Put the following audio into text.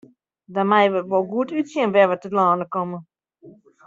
Dan meie we wol goed útsjen wêr't we telâne komme.